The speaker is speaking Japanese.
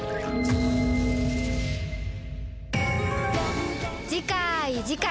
いじかい。